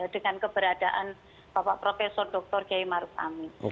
dengan keberadaan bapak profesor dr gai maruf amin